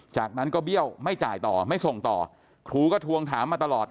จากนั้นก็เบี้ยวไม่จ่ายต่อไม่ส่งต่อครูก็ทวงถามมาตลอด